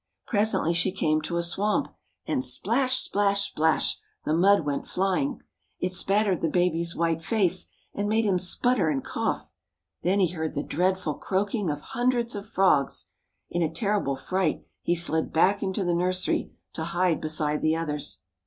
Presently she came to a swamp, and splash, splash, splash! the mud went flying. It spattered the baby's white face and made him sputter and cough. Then he heard the dreadful croaking of hundreds of frogs. In a terrible fright he slid back into the nursery to hide beside the others.